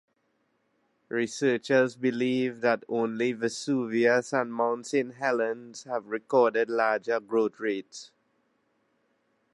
Researchers believe that only Vesuvius and Mount Saint Helens have recorded larger growth rates.